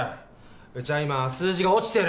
うちは今数字が落ちてる。